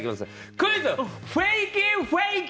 「クイズ！